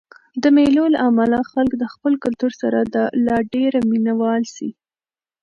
د مېلو له امله خلک د خپل کلتور سره لا ډېر مینه وال سي.